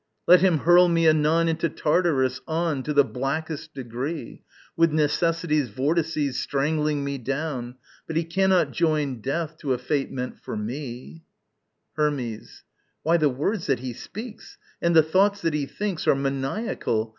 Let him hurl me anon into Tartarus on To the blackest degree, With Necessity's vortices strangling me down; But he cannot join death to a fate meant for me! Hermes. Why, the words that he speaks and the thoughts that he thinks Are maniacal!